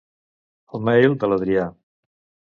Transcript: El mail de l'Adrià.